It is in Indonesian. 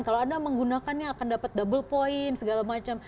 kalau anda menggunakannya akan dapat double point segala macam